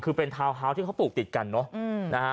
คือเป็นทาวน์ฮาวส์ที่เขาปลูกติดกันเนอะนะฮะ